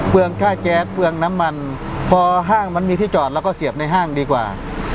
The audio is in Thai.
ค่าแก๊สเปลืองน้ำมันพอห้างมันมีที่จอดแล้วก็เสียบในห้างดีกว่า